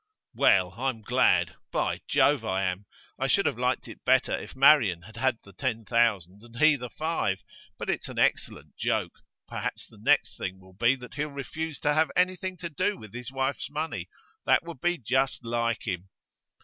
Well, I'm glad; by Jove, I am. I should have liked it better if Marian had had the ten thousand and he the five, but it's an excellent joke. Perhaps the next thing will be that he'll refuse to have anything to do with his wife's money; that would be just like him.